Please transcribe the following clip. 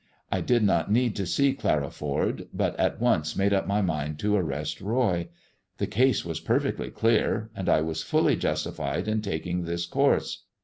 I did not need to see Clara Eord, but at once made up my mind to arrest Eoy. The case was perfectly clear, and I was fully justified in taking this course.